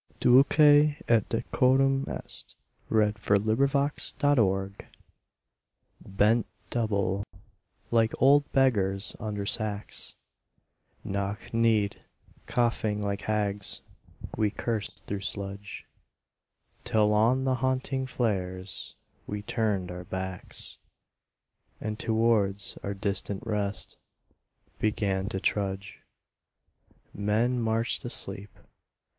weet and fitting it is...to die for one's country Steve] BENT double, like old beggars under sacks, Knock kneed, coughing like hags, we cursed through sludge, Till on the haunting flares we turned our backs, And towards our distant rest began to trudge. Men marched asleep.